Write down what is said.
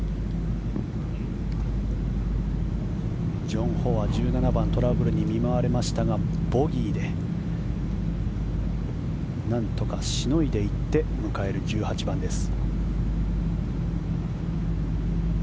ジョン・ホは１７番トラブルに見舞われましたがボギーでなんとかしのいでいって迎える１８番です。